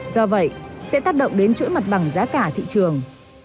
do vậy sẽ tác động đến chuỗi mặt bằng giá cả thị trường